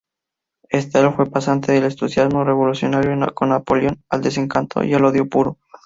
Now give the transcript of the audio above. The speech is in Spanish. Staël fue pasando del entusiasmo revolucionario con Napoleón al desencanto y al odio puro.